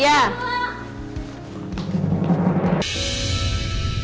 ya dah dah